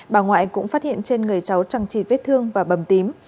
bà ngoại cũng phát hiện trên người cháu trăng trịt thương và bầm tím